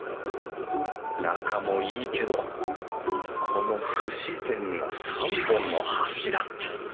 中もいいけどこの不自然な３本の柱。